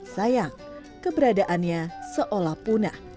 sayang keberadaannya seolah punah